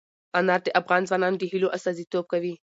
انار د افغان ځوانانو د هیلو استازیتوب کوي.